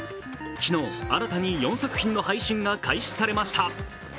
昨日、新たに４作品の配信が開始されました。